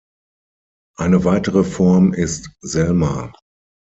Eine weitere Form ist Selma.